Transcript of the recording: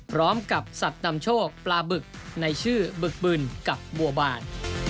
พร้อมกับสัตว์นำโชคปลาบึกในชื่อบึกบึนกับบัวบาน